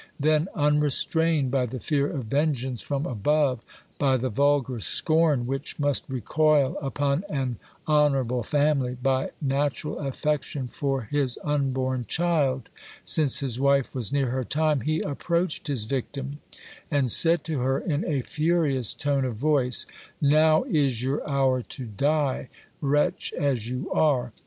Then, unrestrained by the fear of vengeance from above, by the vulgar scorn which must recoil upon an honourable family, by natural affection for his unborn child, since his wife was near her time, he approached his victim, and said to her in a furious tone of voice : Now is your hour to die, wretch as you are